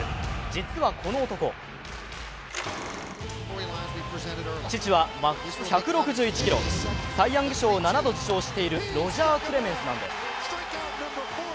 実は、この男父はマックス１６１キロ、サイ・ヤング賞を７度受賞しているロジャー・クレメンスなんです。